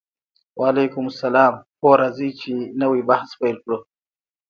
وعلیکم السلام هو راځئ چې نوی بحث پیل کړو